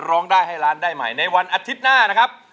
ร้องได้ให้ล้านได้ใหม่ในวันอาทิตย์หน้านะครับ